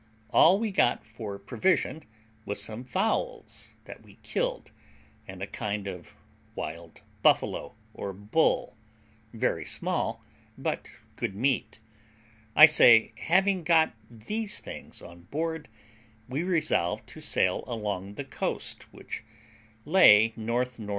All we got for provision was some fowls that we killed, and a kind of wild buffalo or bull, very small, but good meat; I say, having got these things on board, we resolved to sail along the coast, which lay N.N.E.